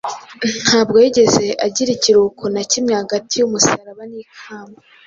Ntabwo yigeze agira ikiruhuko na kimwe hagati y’umusaraba n’ikamba.